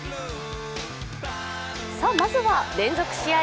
まずは連続試合